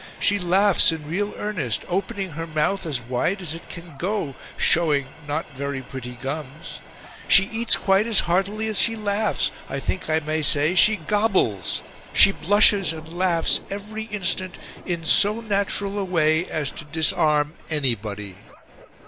She laughs in real earnest, opening her mouth as wide as it can go, showing not very pretty gums... She eats quite as heartily as she laughs, I think I may say she gobbles... She blushes and laughs every instant in so natural a way as to disarm anybody."